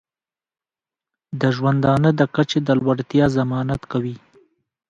د ژوندانه د کچې د لوړتیا ضمانت کوي.